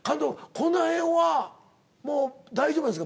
この辺はもう大丈夫ですか？